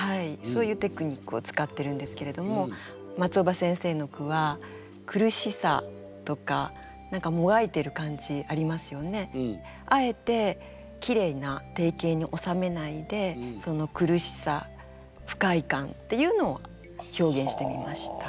そういうテクニックを使ってるんですけれども松尾葉先生の句はあえてきれいな定型におさめないでその苦しさ不快感っていうのを表現してみました。